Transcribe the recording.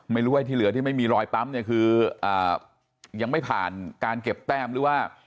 ไม่รู้ว่าที่เหลือที่ไม่มีรอยปั๊มเนี่ยคือยังไม่ผ่านการเก็บแต้มหรือว่า